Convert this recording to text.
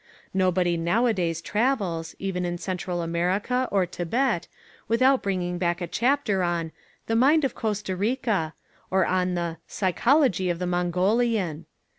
Nobody nowadays travels, even in Central America or Thibet, without bringing back a chapter on "The Mind of Costa Rica," or on the "Psychology of the Mongolian."